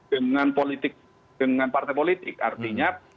dengan politik dengan partai politik artinya